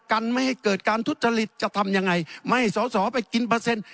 กันไม่ให้เกิดการทุจริตจะทำยังไงไม่สอสอไปกินเปอร์เซ็นต์